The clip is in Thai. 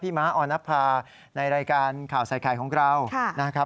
พี่ม้าออนภาในรายการข่าวใส่ไข่ของเรา